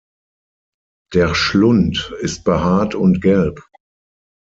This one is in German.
Der Schlund ist behaart und gelb.